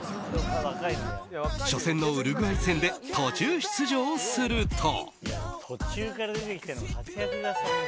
初戦のウルグアイ戦で途中出場すると。